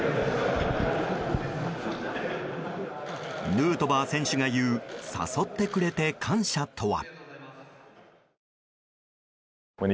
ヌートバー選手がいう誘ってくれて感謝とは。